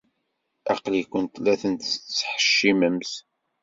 Aql-ikent la tent-tettḥeccimemt.